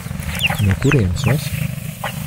No kurienes esi?